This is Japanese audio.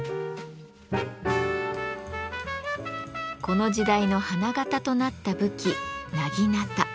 この時代の花形となった武器